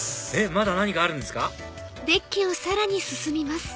まだ何かあるんですか？